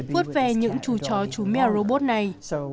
vướt ve những chú chó chú mèo robot này